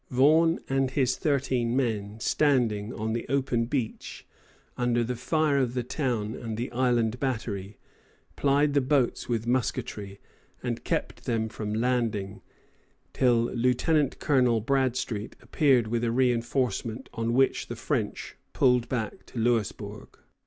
Vaughan and his thirteen men, standing on the open beach, under the fire of the town and the Island Battery, plied the boats with musketry, and kept them from landing, till Lieutenant Colonel Bradstreet appeared with a reinforcement, on which the French pulled back to Louisbourg.